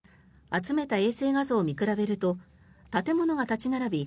集めた衛星画像を見比べると建物が立ち並び